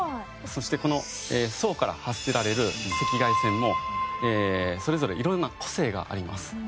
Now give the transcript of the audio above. そしてこの層から発せられる赤外線もそれぞれいろんな個性があります。